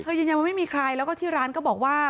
ยืนยันว่าไม่มีใครแล้วก็ที่ร้านก็บอกว่า